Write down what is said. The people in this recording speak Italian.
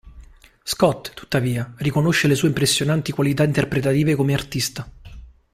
Scott, tuttavia, riconosce le sue impressionanti qualità interpretative come artista.